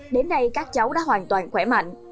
đến nay các cháu đã hoàn toàn khỏe mạnh